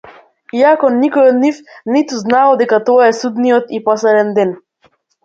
Иако никој од нив ниту знаел дека тоа е судниот и последен ден.